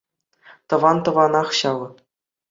Тӑван тӑванах ҫав.